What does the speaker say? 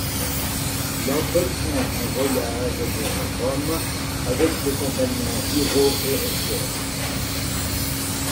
Il entreprend un voyage vers Rome, avec ses compagnons Wiro et Otger.